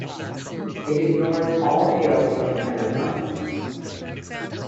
It ignores all hails from the Enterprise.